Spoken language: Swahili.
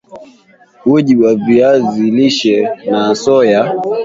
Uji wa viazi lishe na soya